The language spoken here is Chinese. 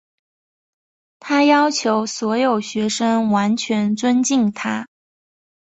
她要求所有学生完全尊敬她。